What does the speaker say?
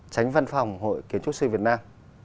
tránh văn phòng hội kiến trúc sư việt nam